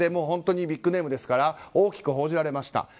本当にビッグネームですから大きく報じられました。